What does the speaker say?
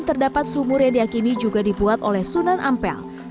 terdapat sumur yang diakini juga dibuat oleh sunan ampel